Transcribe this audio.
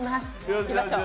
いきましょう。